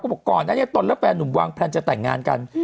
บอกก่อนนั้นเนี่ยตนและแฟนหนุ่มวางแพลนจะแต่งงานกัน